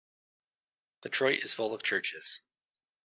Detroit is full of churches.